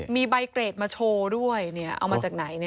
มีใบเกรดมาโชว์ด้วยเอามาจากไหน